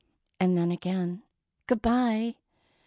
And then again, " Good bye.